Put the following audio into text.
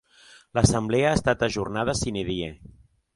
L'assemblea ha estat ajornada 'sine die'.